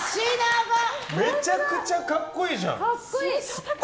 めちゃめちゃ格好いいじゃん！